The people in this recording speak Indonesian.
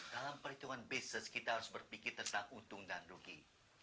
dalam perhitungan bisnis kita harus berpikir tentang untung dan rugi